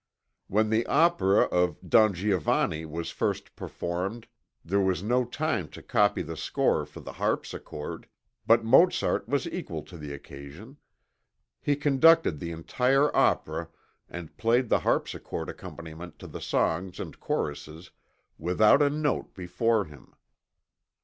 When the opera of 'Don Giovanni' was first performed there was no time to copy the score for the harpsichord, but Mozart was equal to the occasion; he conducted the entire opera and played the harpsichord accompaniment to the songs and choruses without a note before him.